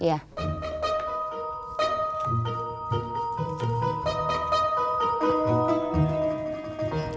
dia sudah berhenti